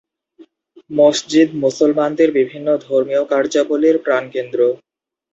মসজিদ মুসলমানদের বিভিন্ন ধর্মীয় কার্যাবলীর প্রাণকেন্দ্র।